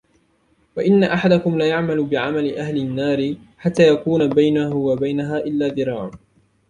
وَإِنَّ أَحَدَكُمْ لَيَعْمَلُ بِعَمَلِ أهْلِ النَّارِ حَتَّى مَا يَكُونَ بَيْنَهُ وَبَيْنَهَا إِلاَّ ذِرَاعٌ